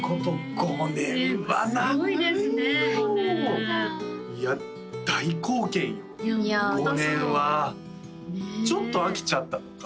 ５年はちょっと飽きちゃったとか？